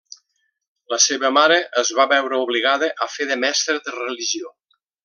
La seva mare es va veure obligada a fer de mestra de religió.